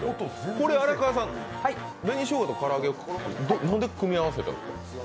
これ荒川さん、紅しょうがと唐揚げをどうして組み合わせたんですか？